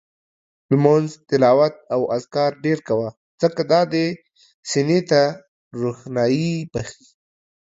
لمونځ، تلاوت او اذکار ډېر کوه، ځکه دا دې سینې ته روښاني بخښي